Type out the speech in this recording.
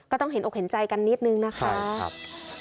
ต้องเห็นอกเห็นใจกันนิดนึงนะคะ